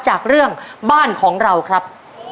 จากเรื่องบ้านของเราครับ